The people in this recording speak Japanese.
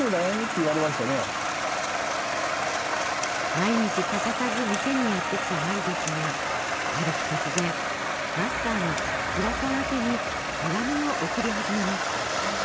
毎日欠かさず店にやって来た茉莉ですがある日突然マスターの明さん宛に手紙を送り始めます。